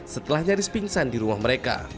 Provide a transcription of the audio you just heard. setelah nyaris pingsan di rumah mereka